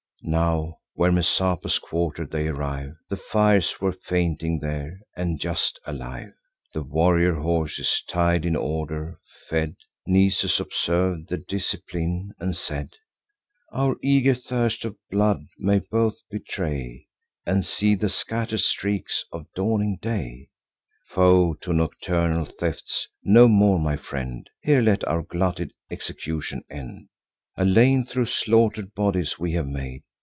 Now, where Messapus quarter'd, they arrive. The fires were fainting there, and just alive; The warrior horses, tied in order, fed. Nisus observ'd the discipline, and said: "Our eager thirst of blood may both betray; And see the scatter'd streaks of dawning day, Foe to nocturnal thefts. No more, my friend; Here let our glutted execution end. A lane thro' slaughter'd bodies we have made."